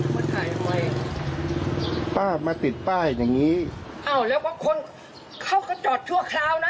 มันถ่ายทำไมป้ามาติดป้ายอย่างงี้อ้าวแล้วบางคนเขาก็จอดชั่วคราวนะ